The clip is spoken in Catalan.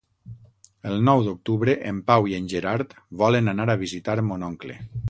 El nou d'octubre en Pau i en Gerard volen anar a visitar mon oncle.